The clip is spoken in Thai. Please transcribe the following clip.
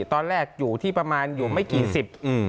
ตอนแรกอยู่ที่ประมาณอยู่ไม่กี่สิบอืม